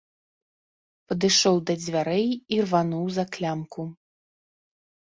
Падышоў да дзвярэй, ірвануў за клямку.